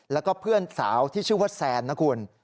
แล้วก็เพื่อนสาวที่ชื่อว่าแซนนะคุณ